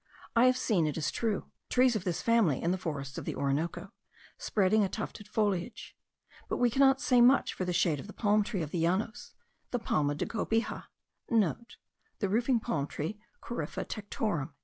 I have seen, it is true, trees of this family, in the forests of the Orinoco, spreading a tufted foliage; but we cannot say much for the shade of the palm tree of the llanos, the palma de cobija,* (* The roofing palm tree Corypha tectorum.)